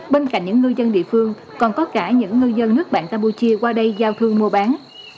bên cạnh những ngư dân địa phương còn có cả những ngư dân nước bạn campuchia qua đây giao thương mua bán